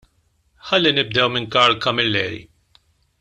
Ħalli nibdew minn Karl Camilleri.